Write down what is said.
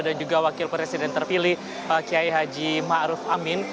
dan juga wakil presiden terpilih kiai haji ma'ruf amin